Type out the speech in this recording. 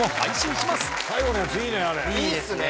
いいですね。